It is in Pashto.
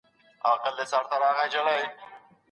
تاسي په پښتو کي د لنډیو او ټپو په مانا پوهېږئ؟